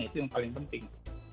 itu yang paling penting